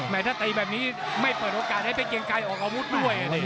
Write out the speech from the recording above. ถ้าตีแบบนี้ไม่เปิดโอกาสให้เพชรเกียงไกรออกอาวุธด้วย